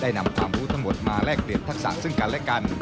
นำความรู้ทั้งหมดมาแลกเปลี่ยนทักษะซึ่งกันและกัน